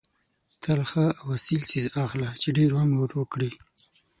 تل ښه او اصیل څیز اخله چې ډېر عمر وکړي.